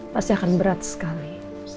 pasti akan berat sekali